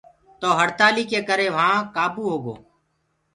تو هڙتآلي ڪي ڪري وهآ ڪآبو هوگو۔